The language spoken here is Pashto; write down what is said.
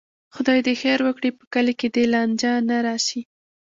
خدای دې خیر وکړي، په کلي کې دې لانجه نه راشي.